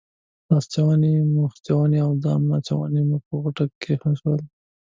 لاسوچونې، مخوچونې او ځانوچونی مې په غوټه کې کېښودل.